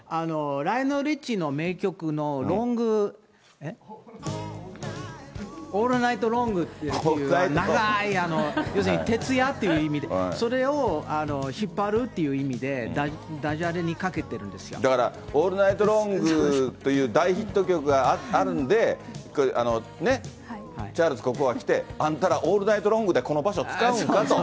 ライオネル・リッチーの名曲、ロング、オール・ナイト・ロングって、ようするに徹夜っていう意味で、それを引っ張るって意味で、だから、オール・ナイト・ロングっていう大ヒット曲があるんで、ね、チャールズ国王が来て、あんたら、オール・ナイト・ロングでこの場所使うんかと。